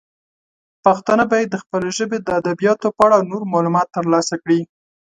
پښتانه باید د خپلې ژبې د ادبیاتو په اړه نور معلومات ترلاسه کړي.